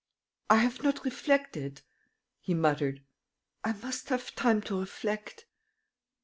I have not reflected," he muttered. "I must have time to reflect.